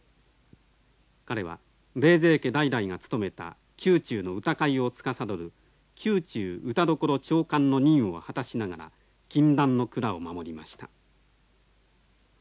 彼は冷泉家代々が務めた宮中の歌会をつかさどる宮中歌所長官の任を果たしながら禁断の蔵を守りました。